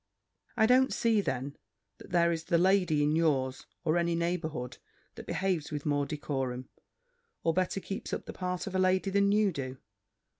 I don't see, then, that there is the lady in yours, or any neighbourhood, that behaves with more decorum, or better keeps up the part of a lady, than you do.